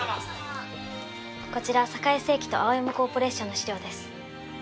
こちら栄精機と青山コーポレーションの資料です